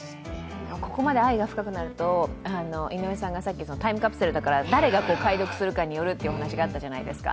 ここまで愛が深くなるとタイムカプセルだから誰が解読するかによるというお話、あったじゃないですか。